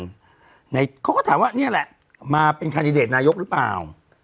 เขาก็ถามว่านี่แหละมาเป็นคันดิเดตนายกหรือเปล่า